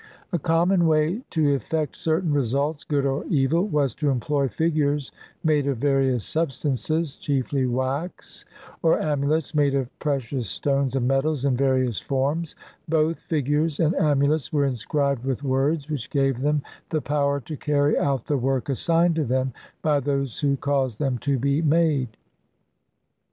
A common way to effect certain results, good or evil, was to employ figures made of various sub stances, chiefly wax, or amulets made of precious stones and metals in various forms ; both figures and amulets were inscribed with words which gave them the power to carry out the work assigned to them by those who caused them to be made.